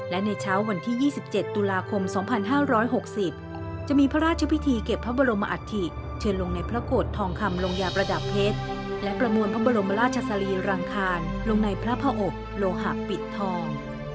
และในเช้าวันที่๒๗ตุลาคม๒๕๖๐จะมีพระราชพิธีเก็บพระบรมอัฐิเชิญลงในพระโกรธทองคำลงยาประดับเพชรและประมวลพระบรมราชสรีรังคารลงในพระพระอบโลหะปิดทอง